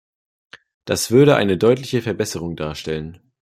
Das würde eine deutliche Verbesserung darstellen.